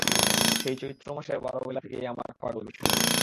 সেই চৈত্রমাসের বারবেলা থেকেই আমার পাগলামি শুরু।